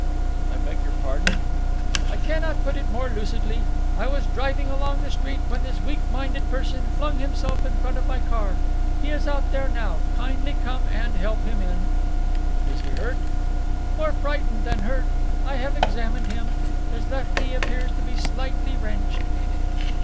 "I beg your pardon?" "I cannot put it more lucidly. I was driving along the street when this weak minded person flung himself in front of my car. He is out there now. Kindly come and help him in." "Is he hurt?" "More frightened than hurt. I have examined him. His left knee appears to be slightly wrenched."